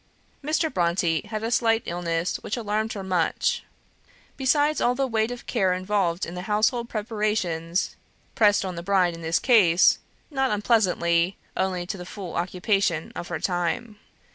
Mr. Brontë had a slight illness which alarmed her much. Besides, all the weight of care involved in the household preparations pressed on the bride in this case not unpleasantly, only to the full occupation of her time.